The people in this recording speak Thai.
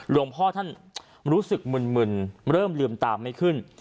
หลวงพ่อท่านรู้สึกมึนเริ่มลืมตาไม่ขึ้น